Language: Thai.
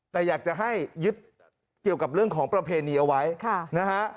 แต่อยากจะให้ยึดเกี่ยวกับเรื่องของประเพณีเอาไว้นะฮะ